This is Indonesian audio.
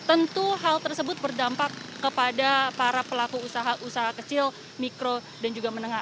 tentu hal tersebut berdampak kepada para pelaku usaha usaha kecil mikro dan juga menengah